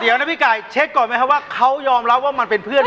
เดี๋ยวนะพี่ไก่เช็คก่อนไหมครับว่าเขายอมรับว่ามันเป็นเพื่อน